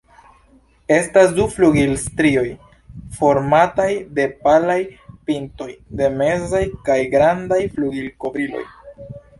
Estas du flugilstrioj, formataj de palaj pintoj de mezaj kaj grandaj flugilkovriloj.